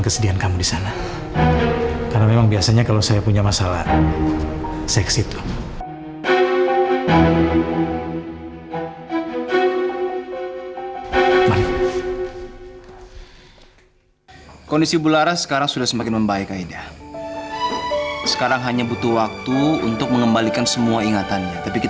sampai jumpa di video selanjutnya